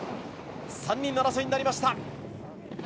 ３人の争いになりました。